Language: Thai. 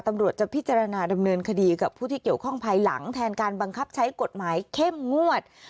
ตำรวจจะพิจารณาดำเนินคดีกับผู้ที่เกี่ยวข้องภายหลังแทนการบังคับใช้กฎหมายเข้มงวด